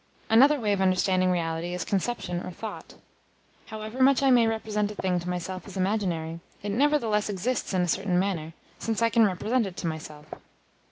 Another way of understanding reality is conception or thought. However much I may represent a thing to myself as imaginary, it nevertheless exists in a certain manner, since I can represent it to myself.